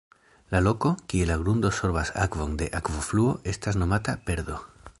La loko, kie la grundo sorbas akvon de akvofluo estas nomata "perdo".